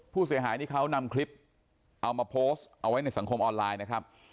ผู้เสียหายนี่เขานำคลิปเอามาโพสต์เอาไว้ในสังคมออนไลน์นะครับ